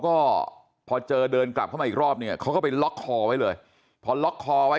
ก็พอเจอเดินกลับเข้ามาอีกรอบเนี่ยเขาก็ไปล็อกคอไว้เลยพอล็อกคอไว้